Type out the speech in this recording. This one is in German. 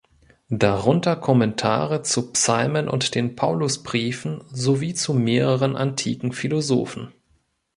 Darunter Kommentare zu Psalmen und den Paulusbriefen sowie zu mehreren antiken Philosophen.